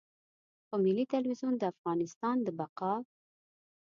خو ملي ټلویزیون د افغانستان د بقا.